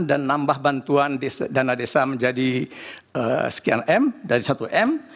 dan nambah bantuan dana desa menjadi sekian m dari satu m